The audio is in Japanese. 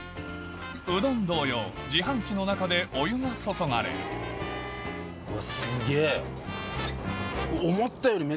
うどん同様自販機の中でお湯が注がれるうわすげぇ。